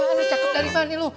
apaan cakep dari mana lo